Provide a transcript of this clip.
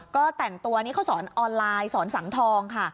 ก็แต่งตัวนี้เขาสอนออนไลน์สอนสังทองค่ะ